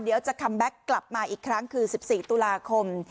จะคัมแบ็คกลับมาอีกครั้งคือ๑๔ตุลาคม